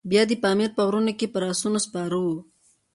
بیا د پامیر په غرونو کې پر آسونو سپاره وو.